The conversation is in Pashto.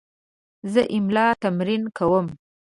زه املا تمرین کوم.